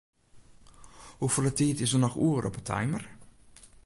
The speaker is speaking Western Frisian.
Hoefolle tiid is der noch oer op 'e timer?